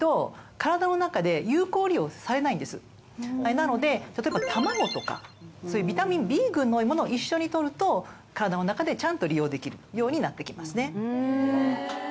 なので例えば卵とかそういうビタミンＢ群のものを一緒に摂ると体の中でちゃんと利用できるようになってきますね。